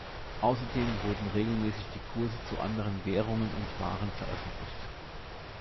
Außerdem wurden regelmäßig die Kurse zu anderen Währungen und Waren veröffentlicht.